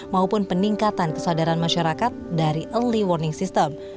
maupun peningkatan kesadaran masyarakat dari early warning system